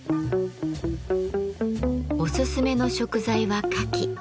おすすめの食材はカキ。